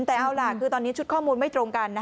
แต่เอาล่ะคือตอนนี้ชุดข้อมูลไม่ตรงกัน